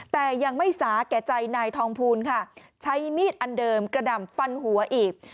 แต่ยังไม่สาแก่ใจนายทองภูลค่ะใช้มีดอันเดิมกระหน่ำฟันหัวอีก